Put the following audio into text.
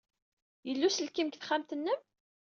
Yella uselkim deg texxamt-nnem?